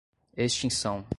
extinção